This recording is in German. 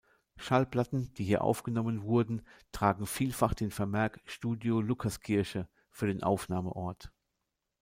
Schallplatten, die hier aufgenommen wurden, tragen vielfach den Vermerk "Studio Lukaskirche" für den Aufnahmeort.